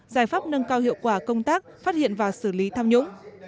giải pháp nâng cao hiệu quả công tác phát hiện và xử lý tham nhũng